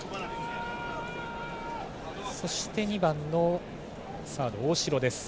そして打席には２番サード、大城です。